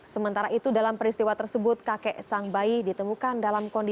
sementara itu dalam peristiwa tersebut kakek sang bayi ditemukan dalam kondisi